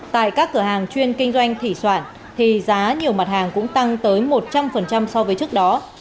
tại các cửa hàng chuyên kinh doanh thỉ soạn giá nhiều mặt hàng cũng tăng tới một trăm linh so với trước đó